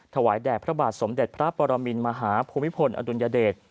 ถวายแด่พระบาทสมเด็จพระปรมินมหาภูมิพลอดุลยเดช